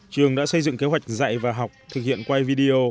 trường đã xây dựng kế hoạch dạy và học thực hiện quay video